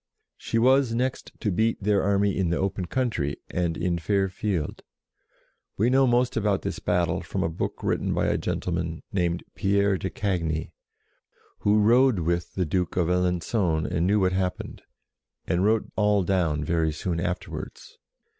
She was next to beat their army in the open country and in fair field. We know most about this battle from a book written by a gentleman named Pierre de Cagny, who rode with the Duke of Alengon and knew what happened, and wrote all down very soon afterwards.